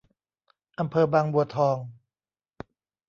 อำเภอบางบัวทอง